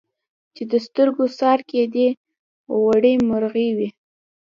چي د سترګو څار کېدی غوړي مرغې وې